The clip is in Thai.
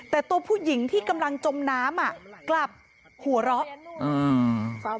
แต่ตัวผู้หญิงที่กำลังจมน้ำอ่ะกลับหัวเราะอืม